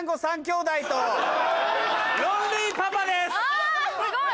あすごい！